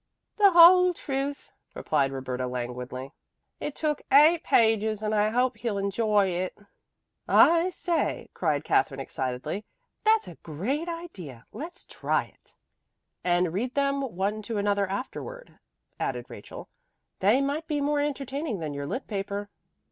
"The whole truth," replied Roberta languidly. "It took eight pages and I hope he'll enjoy it." "I say," cried Katherine excitedly. "That's a great idea. Let's try it." "And read them to one another afterward," added Rachel. "They might be more entertaining than your lit. paper."